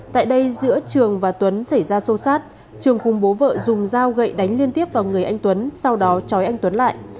tại đây giữa trường và tuấn xảy ra xô xát trường cùng bố vợ dùng dao gậy đánh liên tiếp vào người anh tuấn sau đó trói anh tuấn lại